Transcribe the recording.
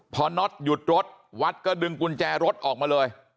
พอน็อตหยุดรถวัดก็ดึงกุญแจรถออกมาเลย